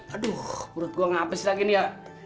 aduh berat gua ga abis lagi nih ya